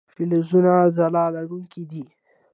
فلزونه ځلا لرونکي دي.